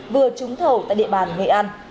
vừa trúng thầu tại địa bàn nghệ an